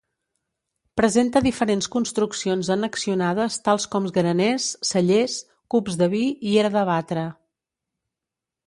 Presenta diferents construccions annexionades tals com graners, cellers, cups de vi i era de batre.